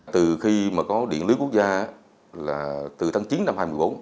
từ khi mà có điện lưới quốc gia là từ tháng chín năm hai nghìn một mươi bốn